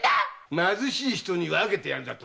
貧しい人に分けるだと？